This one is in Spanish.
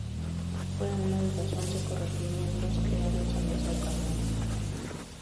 Fue uno de los once corregimientos creados en esa ocasión.